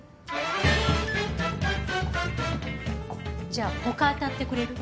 じゃあ他当たってくれる？